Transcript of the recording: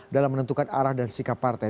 dalam menentukan arah dan sikap partai